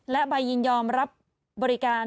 และใบยินยอมรับบริการ